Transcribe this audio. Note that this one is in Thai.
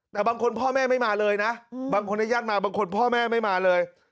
แต่บางคนพ่อแม่ไม่มาเลยนะบางคนในญาติมาบางคนพ่อแม่ไม่มาเลย